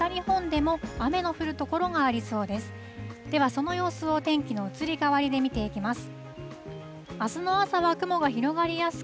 では、その様子を天気の移り変わりで見ていきます。